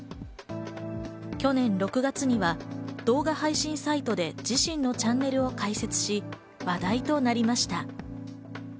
去年６月には動画配信サイトで自身のチャンネルを開設し、話題となりました。